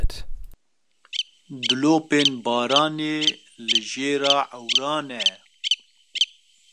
Dilopên baranê li jêra ewran e.